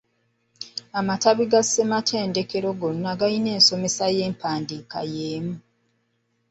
Amatabi ga ssematendekero gonna galina ensomesa ya kampuni yemu.